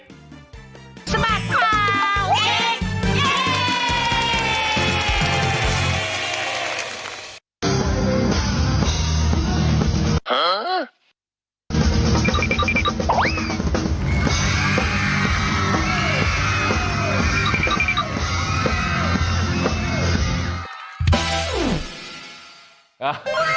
สบัดข่าวเด็ก